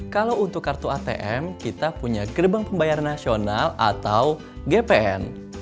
kalau untuk kartu atm kita punya gerbang pembayar nasional atau gpn